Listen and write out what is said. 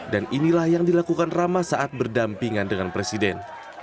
dan inilah yang dilakukan rama saat berdampingan dengan presiden